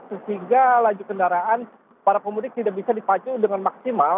sehingga laju kendaraan para pemudik tidak bisa dipacu dengan maksimal